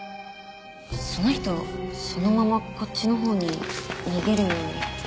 その人そのままこっちのほうに逃げるように。